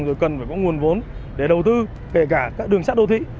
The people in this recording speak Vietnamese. rồi cần phải có nguồn vốn để đầu tư kể cả các đường sắt đô thị